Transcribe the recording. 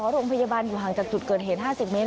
โรงพยาบาลอยู่ห่างจากจุดเกิดเหตุ๕๐เมตร